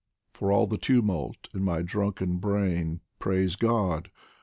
For all the tumult in my drunken brain Praise God